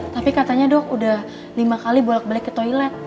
tapi katanya dok udah lima kali bolak balik ke toilet